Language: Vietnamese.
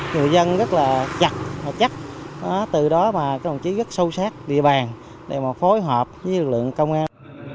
người dân rất là chặt và chắc từ đó mà các đồng chí rất sâu sát địa bàn để mà phối hợp với lực lượng công an